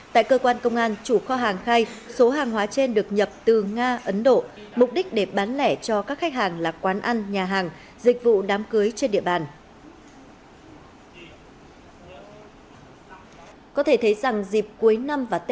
tại cơ quan công an chủ kho hàng khai số hàng hóa trên được nhập từ nga ấn độ mục đích để bán lẻ cho các khách hàng là quán ăn nhà hàng dịch vụ đám cưới trên địa bàn